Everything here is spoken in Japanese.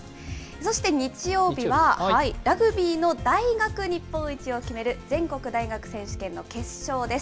そして日曜日は、ラグビーの大学日本一を決める全国大学選手権の決勝です。